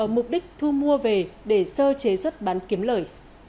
mục đích thu mua về để sơ chế xuất bán kiếm lời